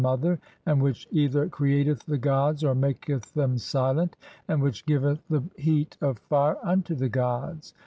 (6) mother, and which either "createth the gods or maketh them silent, and which giveth the "heat of fire unto the gods.